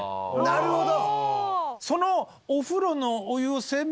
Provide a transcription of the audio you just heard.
なるほど。